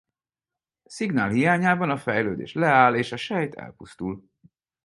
Szignál hiányában a fejlődés leáll és a sejt elpusztul.